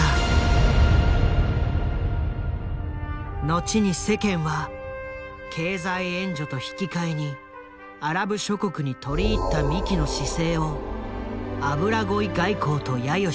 後に世間は経済援助と引き換えにアラブ諸国に取り入った三木の姿勢をと揶揄した。